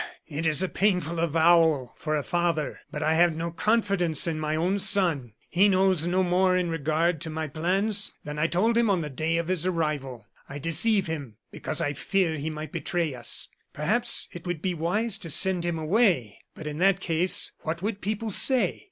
it is a painful avowal for a father; but I have no confidence in my own son. He knows no more in regard to my plans than I told him on the day of his arrival. I deceive him, because I fear he might betray us. Perhaps it would be wise to send him away; but in that case, what would people say?